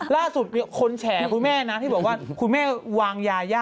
ล่าสุดมีคนแฉคุณแม่นะที่บอกว่าคุณแม่วางยาย่า